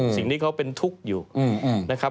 สิ่งที่เขาเป็นทุกข์อยู่นะครับ